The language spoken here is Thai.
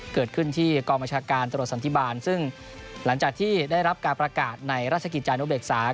เกิดขึ้นที่กองบัญชาการตรวจสันติบาลซึ่งหลังจากที่ได้รับการประกาศในราชกิจจานุเบกษา